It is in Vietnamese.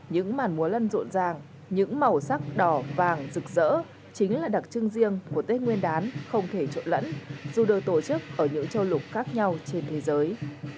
những màn múa lân rộn ràng những màu sắc đỏ vàng rực rỡ chính là đặc trưng riêng của tết nguyên đán không thể trộn lẫn dù được tổ chức ở những châu lục khác nhau trên thế giới